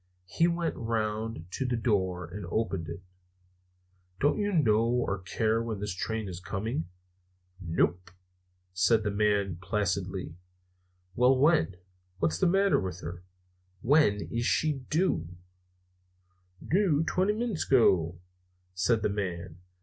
He went round to the door and opened it. "Don't you know or care when this train is coming?" "Nope," said the man placidly. "Well, when? What's the matter with her? When is she due?" "Doo twenty minits ago," said the man.